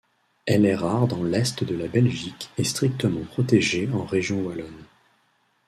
Elle est rare dans l'est de la Belgique et strictement protégée en Région wallonne.